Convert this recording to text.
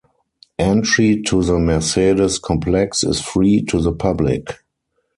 Entry to the Mercedes complex is free to the public.